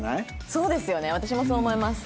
そうですよね私もそう思います。